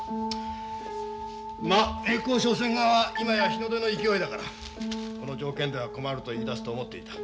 まあ栄光商船側は今や日の出の勢いだからこの条件では困ると言いだすと思っていた。